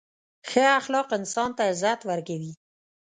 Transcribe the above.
• ښه اخلاق انسان ته عزت ورکوي.